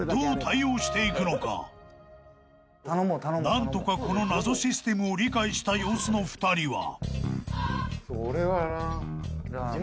［何とかこの謎システムを理解した様子の２人は］